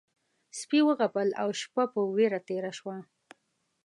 سپي وغپل او شپه په وېره تېره شوه.